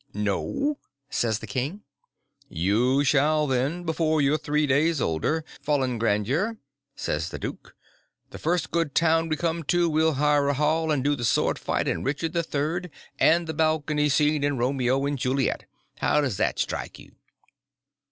"No," says the king. "You shall, then, before you're three days older, Fallen Grandeur," says the duke. "The first good town we come to we'll hire a hall and do the sword fight in Richard III. and the balcony scene in Romeo and Juliet. How does that strike you?"